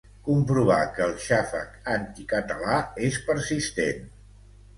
comprovar que el xàfec anticatalà és persistent